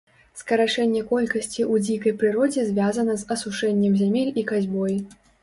Скарачэнне колькасці ў дзікай прыродзе звязана з асушэннем зямель і касьбой.